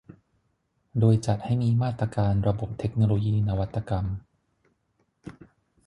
โดยจัดให้มีมาตรการระบบเทคโนโลยีนวัตกรรม